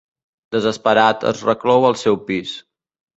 Desesperat, es reclou al seu pis.